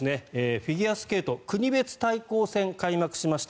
フィギュアスケート国別対抗戦開幕しました。